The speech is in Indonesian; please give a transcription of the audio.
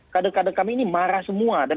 kader kader kami ini marah semua